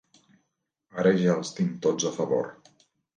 Ara ja els tinc tots a favor.